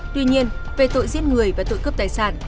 tuy nhiên về tội giết người và tội cướp tài sản